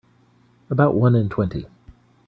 About one in twenty.